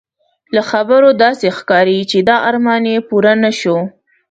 له خبرو داسې ښکاري چې دا ارمان یې پوره نه شو.